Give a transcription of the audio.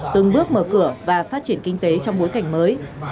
từng bước mở cửa và phát triển kinh tế trong bối cảnh mới